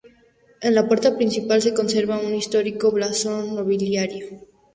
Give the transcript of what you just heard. En la puerta principal se conserva un histórico blasón nobiliario.